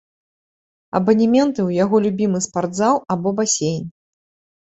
Абанементы ў яго любімы спартзал або басейн.